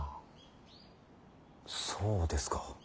そうですか。